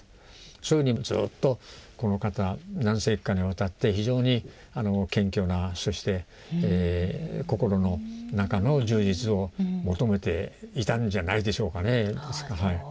そういうふうにずっとこのかた何世紀かにわたって非常に謙虚なそして心の中の充実を求めていたんじゃないでしょうかね。